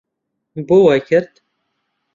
بۆ وای کرد؟